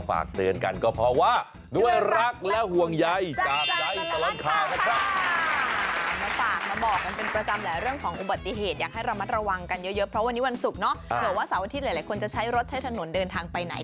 เพราะวันนี้วันศุกร์หรือว่าสวัสดีที่หลายคนจะใช้รถใช้ถนนเดินทางไปไหน